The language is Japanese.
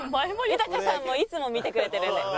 豊さんもいつも見てくれてるんで。